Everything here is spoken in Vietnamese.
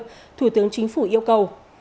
tại tp hcm thủ tướng chính phủ yêu cầu